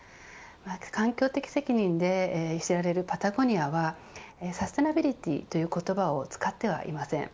環境的責任で知られるパタゴニアはサステナビリティーという言葉を使ってはいません。